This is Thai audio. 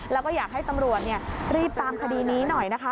แล้วก็อยากให้ตำรวจรีบตามคดีนี้หน่อยนะคะ